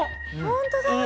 ほんとだ！ね。